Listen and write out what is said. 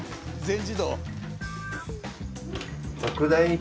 全自動。